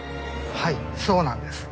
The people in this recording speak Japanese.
はいそうなんです。